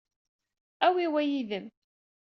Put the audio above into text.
Awi wa yid-m.